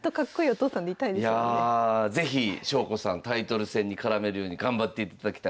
タイトル戦に絡めるように頑張っていただきたい。